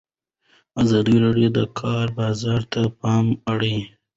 ازادي راډیو د د کار بازار ته پام اړولی.